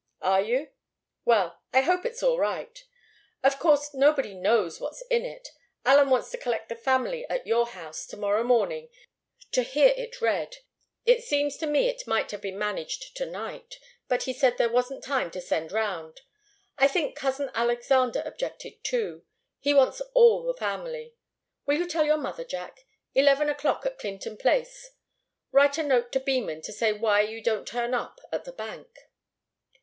"Are you? Well I hope it's all right. Of course nobody knows what's in it. Allen wants to collect the family at your house to morrow morning to hear it read. It seems to me it might have been managed to night, but he said there wasn't time to send round. I think cousin Alexander objected, too. He wants all the family. Will you tell your mother, Jack? Eleven o'clock at Clinton Place. Write a note to Beman to say why you don't turn up at the bank."